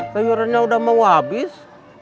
sayurannya udah mau habis